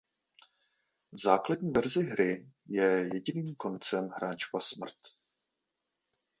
V základní verzi hry je jediným koncem hráčova smrt.